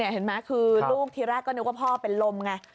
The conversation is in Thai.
เห็นไหมคือลูกทีแรกก็นึกว่าพ่อเป็นลมไง